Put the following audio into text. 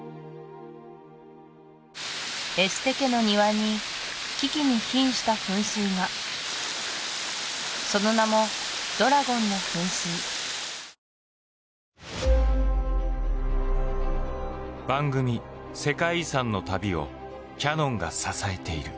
エステ家の庭に危機に瀕した噴水がその名もドラゴンの噴水番組「世界遺産」の旅をキヤノンが支えている。